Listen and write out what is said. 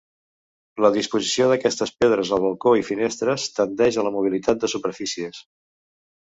La disposició d'aquestes pedres al balcó i finestres tendeix a la mobilitat de superfícies.